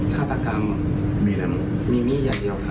ฆาตกรรมมีอะไรมีมีดอย่างเดียว